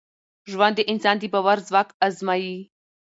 ژوند د انسان د باور ځواک ازمېيي.